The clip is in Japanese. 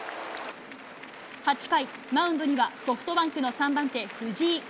８回、マウンドにはソフトバンクの３番手、藤井。